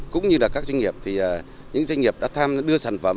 cũng như các doanh nghiệp đã đưa sản phẩm